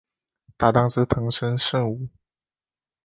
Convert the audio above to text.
搭挡是藤森慎吾。